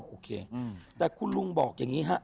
โอเคแต่คุณลุงบอกอย่างนี้ฮะ